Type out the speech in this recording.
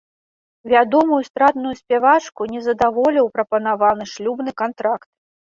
Вядомую эстрадную спявачку не задаволіў прапанаваны шлюбны кантракт.